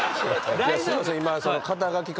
すいません今。